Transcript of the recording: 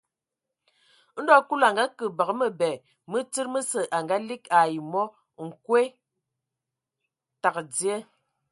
Ndɔ Kulu a ngake bǝgǝ mǝbɛ mǝ tsíd mǝsǝ a ngaligi ai mɔ : nkwe tǝgǝ dzye.